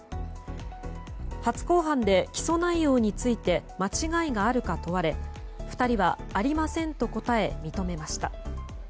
初公判で起訴内容について間違いがあるかどうか問われ２人は、ありませんと答え認めました。